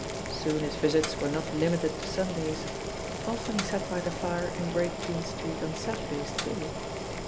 Soon his visits were not limited to Sundays; often he sat by the fire in Great Queen Street on Saturdays too.